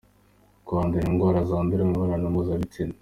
Kwandura indwara zandurira mu mibonano mpuzabitsina.